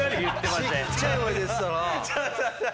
ちっちゃい声で言ってたな。